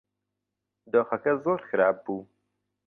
دۆخەکە زۆر خراپ بوو.